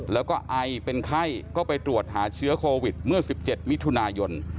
แล้วก็ไอเป็นไข้ก็ไปตรวจหาเชื้อโควิดเมื่อ๑๗มิถุนายน